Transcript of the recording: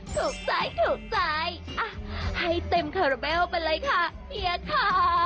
ถูกใจให้เต็มคาราเบลไปเลยค่ะเพียคะ